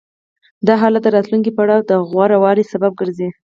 دا حالت د راتلونکي پړاو د غوره والي سبب ګرځي